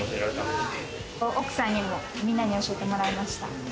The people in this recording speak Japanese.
奥さんにもみんなに教えてもらいました。